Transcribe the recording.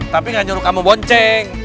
tapi gak nyuruh kamu bonceng